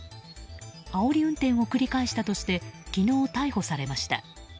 あおり運転を繰り返したとして昨日、逮捕されました。